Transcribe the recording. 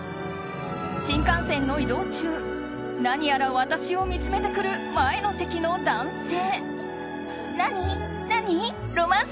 新幹線の移動中、何やら私を見つめてくる前の席の男性。